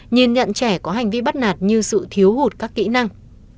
nhìn nhận trẻ có hành vi bắt nạt như sự thiếu hụt các kỹ năng